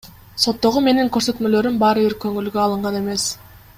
Соттогу менин көрсөтмөлөрүм баары бир көңүлгө алынган эмес.